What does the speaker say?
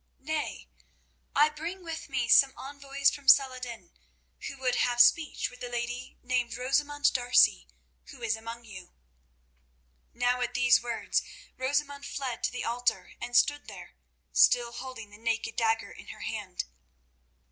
"Nay; I bring with me some envoys from Saladin, who would have speech with the lady named Rosamund D'Arcy, who is among you." Now at these words Rosamund fled to the altar, and stood there, still holding the naked dagger in her hand.